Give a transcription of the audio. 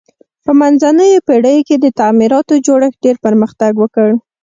په منځنیو پیړیو کې د تعمیراتو جوړښت ډیر پرمختګ وکړ.